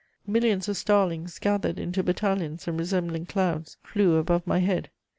Millions of starlings, gathered into battalions and resembling clouds, flew above my head.